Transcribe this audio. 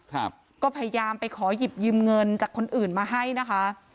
ครับก็พยายามไปขอหยิบยืมเงินจากคนอื่นมาให้นะคะ